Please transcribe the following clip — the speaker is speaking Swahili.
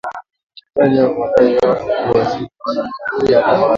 ikitaja madai hayo kuwa si ya kweli ikiongezea kwamba